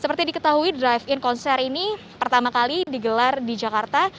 seperti diketahui drive in konser ini pertama kali digelar di jakarta